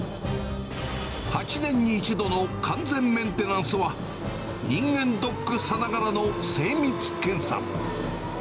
８年に１度の完全メンテナンスは、人間ドックさながらの精密検査。